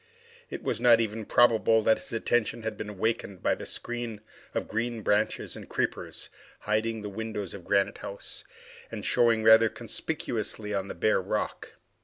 It was not even probable that his attention had been awakened by the screen of green branches and creepers hiding the windows of Granite House, and showing rather conspicuously on the bare rock.